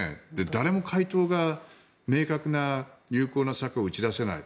誰も解答が明確な有効な策を打ち出せない。